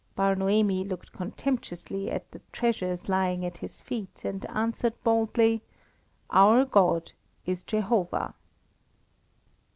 Bar Noemi looked contemptuously at the treasures lying at his feet, and answered boldly: "Our God is Jehovah."